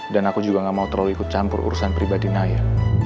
dan aku juga gak mau terlalu ikut campur urusan pribadi naya